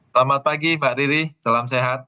selamat pagi pak diri salam sehat